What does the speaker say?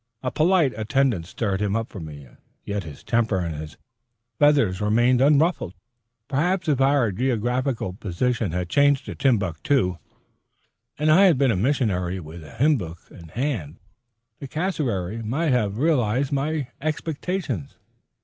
A polite attendant stirred him up for me, yet his temper and his feathers remained unruffled. Perhaps if our geographical position had changed to Timbuctoo, and I had been a missionary with hymn book in hand, the cassowary might have realized my expectations.